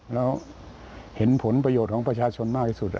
แล้วเห็นผลประโยชน์ของประชาชนมากที่สุด